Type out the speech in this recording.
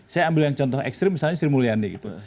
saya ambil yang contoh ekstrim misalnya sri mulyani gitu